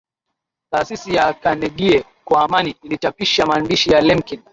taasisi ya carnegie kwa amani ilichapisha maandishi ya Lemkin